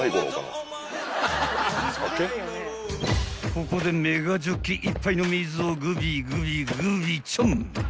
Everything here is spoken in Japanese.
［ここでメガジョッキ１杯の水をグビグビグビちょん］